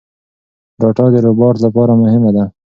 ډاټا د روباټ لپاره مهمه ده.